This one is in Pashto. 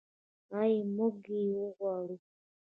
آیا موږ یې غواړو؟